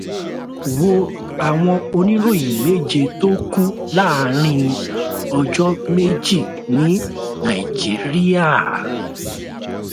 Wo àwọn oníròyìn méje tó kú láàárín ọjọ́ méje ní Nàìjíríà.